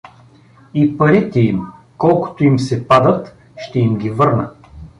И парите им, колкото им се падат, ще им ги върна.